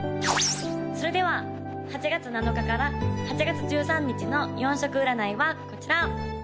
・それでは８月７日から８月１３日の４色占いはこちら！